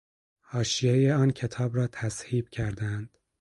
حاشیهٔ آن کتاب را تذهیب کردهاند.